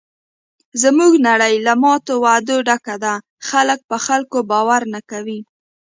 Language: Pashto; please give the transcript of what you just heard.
زموږ نړۍ له ماتو وعدو ډکه ده. خلک په خلکو باور نه کوي.